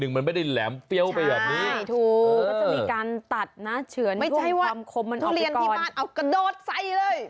คุณเรียนพี่บ้านเอากระโดดไป่เลย